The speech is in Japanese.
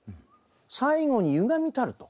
最後に「歪みたる」と。